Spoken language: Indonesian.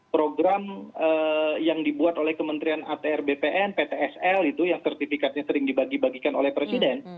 program yang dibuat oleh kementerian atr bpn ptsl itu yang sertifikatnya sering dibagi bagikan oleh presiden